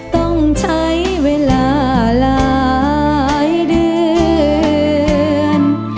ต้องใช้เวลาหลายเดือน